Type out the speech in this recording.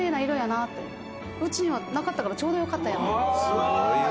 すごいわ！